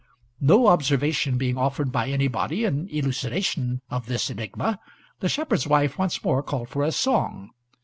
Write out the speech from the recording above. No observation being offered by anybody in elucidation of this enigma, the shepherd's wife once more called for a song.